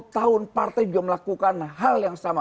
tiga puluh tahun partai belum melakukan hal yang sama